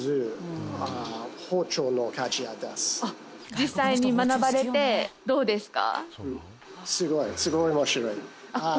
実際に学ばれてどうですか？